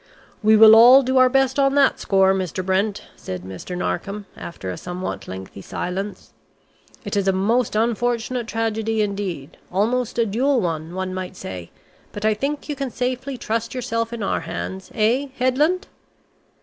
"We will all do our best on that score, Mr. Brent," said Mr. Narkom, after a somewhat lengthy silence. "It is a most unfortunate tragedy indeed, almost a dual one, one might say, but I think you can safely trust yourself in our hands, eh, Headland?"